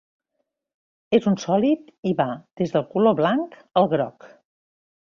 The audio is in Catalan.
És un sòlid i va des del color blanc al groc.